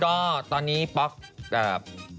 ก็ตอนนี้บล็อกกับ